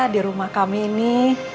di rumah kami ini